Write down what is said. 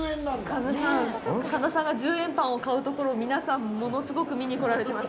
神田さん神田さんが１０円パンを買うところを皆さん、物すごく見に来られてます。